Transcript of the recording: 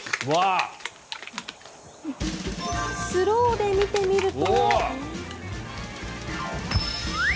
スローで見てみると。